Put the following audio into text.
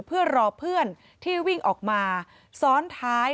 เพื่อรอเพื่อนที่วิ่งออกมาซ้อนท้าย